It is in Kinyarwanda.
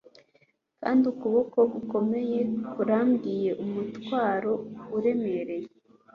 Kandi ukuboko gukomeye kurambiwe umutwaro uremereye